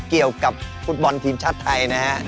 เกี่ยวกับฟุตบอลทีมชาติไทยนะครับ